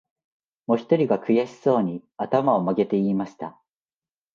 もひとりが、くやしそうに、あたまをまげて言いました